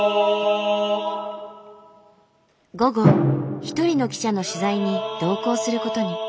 午後一人の記者の取材に同行することに。